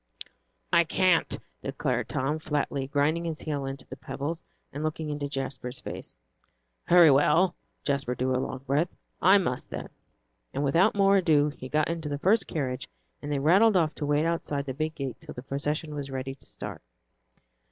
"I can't!" declared Tom, flatly, grinding his heel into the pebbles, and looking into Jasper's face. "Very well," Jasper drew a long breath, "I must, then." And without more ado, he got into the first carriage and they rattled off to wait outside the big gate till the procession was ready to start.